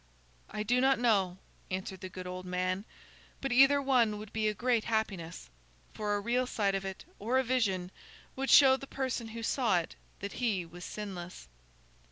"I do not know," answered the good old man, "but either one would be a great happiness. For a real sight of it, or a vision, would show the person who saw it that he was sinless."